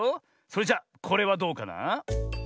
それじゃこれはどうかな？